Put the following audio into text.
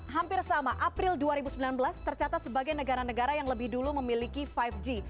hampir sama april dua ribu sembilan belas tercatat sebagai negara negara yang lebih dulu memiliki lima g